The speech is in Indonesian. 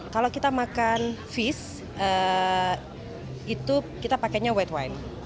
kalau kita makan fish itu kita pakainya white wine